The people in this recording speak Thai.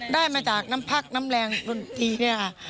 ได้มาจากน้ำพักน้ำแรงดนตรีเนี่ยค่ะ